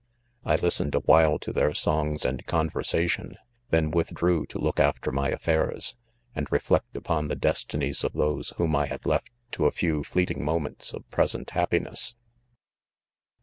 I listened awhile to their songs and conversation, then withdrew to look after my affairs, and reflect upon the destinies of those whom I had left to a few fleeting moments of present happiness.